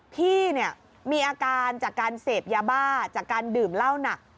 พี่เนี่ยมีอาการจากการเสพยาบ้าจากการดื่มเหล้าหนัก